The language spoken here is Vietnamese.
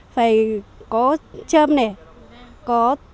phải có trơm này